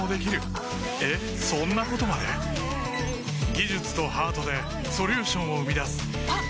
技術とハートでソリューションを生み出すあっ！